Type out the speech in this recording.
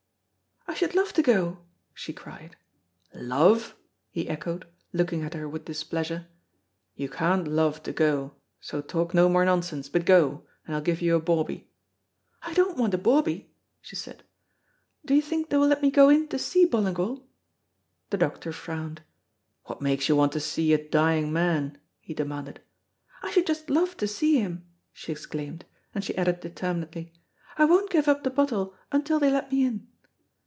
"I should love to go," she cried. "Love!" he echoed, looking at her with displeasure. "You can't love to go, so talk no more nonsense, but go, and I'll give you a bawbee." "I don't want a bawbee," she said. "Do you think they will let me go in to see Ballingall?" The doctor frowned. "What makes you want to see a dying man?" he demanded. "I should just love to see him!" she exclaimed, and she added determinedly, "I won't give up the bottle until they let me in."